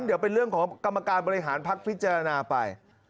เดี๋ยวเป็นเรื่องของกรรมการบริหารพักพิจารณาไป